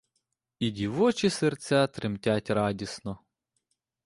І дівочі серця тремтять радісно.